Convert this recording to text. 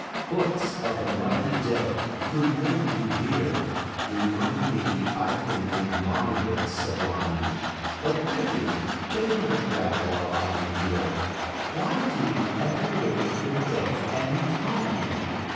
Books of the mighty dead, whom men revere, Remind me I can make my books sublime. But, prithee, bay my brow while I am here: Why do we ever wait for Death and Time?